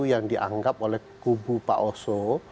yang dianggap oleh kubu pak oso